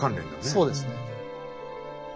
そうですね。